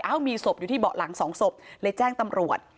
มีศพอยู่ที่เบาะหลังสองศพเลยแจ้งตำรวจ